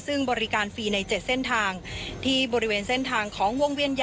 ซึ่งบริการฟรีใน๗เส้นทาง